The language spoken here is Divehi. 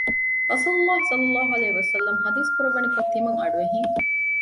ރަސޫލު ﷲ ﷺ ޙަދީޘް ކުރައްވަނިކޮށް ތިމަން އަޑު އެހިން